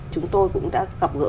chúng tôi cũng đã gặp gỡ